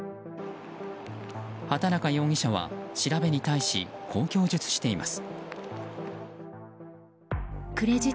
畑中容疑者は調べに対し、こう供述しています。